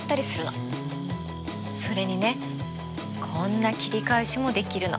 それにねこんな切り返しもできるの。